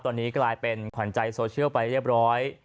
ตอนนี้กลายเป็นขวัญใจโซเชียลไปเรียบร้อย